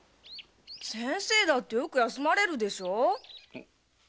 先生だってよく休まれるでしょう？